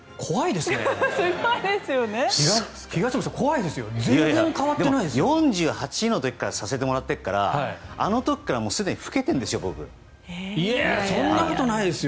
でも４８歳の時からさせてもらっているからあの時からもうすでに老けているんですよ。